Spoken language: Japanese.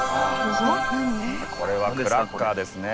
これはクラッカーですね。